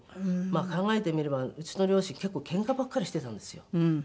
まあ考えてみればうちの両親結構けんかばっかりしてたんですよ。